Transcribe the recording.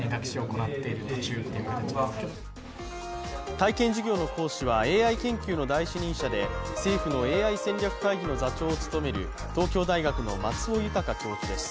体験授業の講師はＡＩ研究の第一人者で政府のＡＩ戦略会議の座長を務める東京大学の松尾豊教授です。